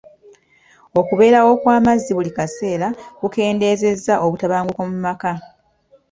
Okubeerawo kw'amazzi buli kaseera kukendeezezza obutabanguko mu maka.